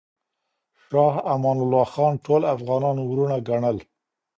شاه امان الله خان ټول افغانان وروڼه ګڼل.